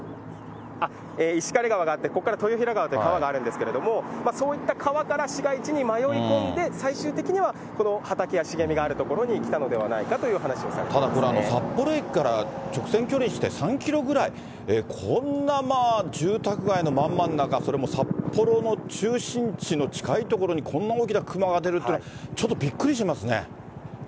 石狩川があって、ここからとよひら川という川があるんですけれども、そういった川から市街地に迷い込んで、最終的にはこの畑や茂みがある所に来たのではないかという話をさただこれ、札幌駅から直線距離にして３キロぐらい、こんな住宅街のまん真ん中、それも札幌の中心地の近い所に、こんな大きな熊が出るっていうのはちょっとびっくりしますね。